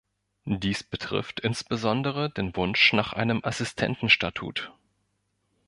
Dies betrifft insbesondere den Wunsch nach einem Assistentenstatut.